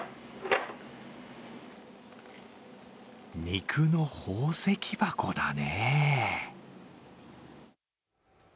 肉の宝石箱だね。